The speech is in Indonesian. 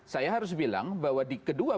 saya harus bilang bahwa di kedua